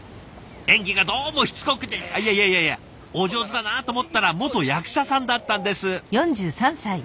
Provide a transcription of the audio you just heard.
演技がどうもしつこくていやいやいやお上手だなと思ったら元役者さんだったんです！